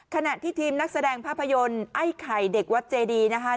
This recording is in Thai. ขณะที่ทีมนักแสดงภาพยนตร์ไอ้ไข่เด็กวัดเจดีนะคะ